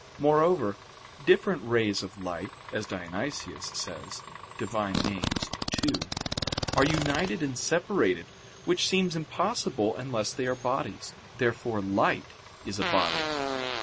Moreover, different rays of light, as Dionysius says (Div. Nom. ii) are united and separated, which seems impossible unless they are bodies. Therefore light is a body.